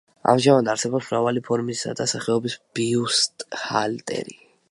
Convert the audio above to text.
ამჟამად არსებობს მრავალი ფორმის და სახეობის ბიუსტჰალტერი.